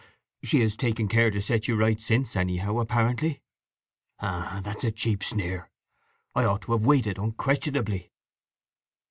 "She has taken care to set you right since, anyhow, apparently." "H'm. That's a cheap sneer. I ought to have waited, unquestionably."